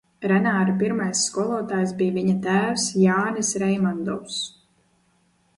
Renāra pirmais skolotājs bija viņa tēvs Jānis Reimandovs.